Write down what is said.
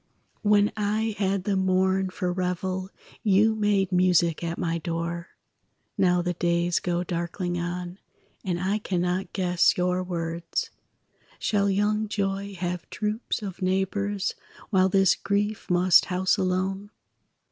When I had the morn for revel, You made music at my door; Now the days go darkling on, And I cannot guess your words. Shall young joy have troops of neighbors, While this grief must house alone?